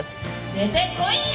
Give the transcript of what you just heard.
出てこいや！